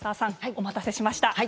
お待たせしました。